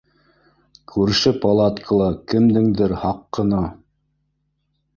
Күрше палаткала кемдеңдер һаҡ ҡына